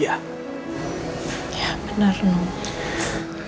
ya benar noh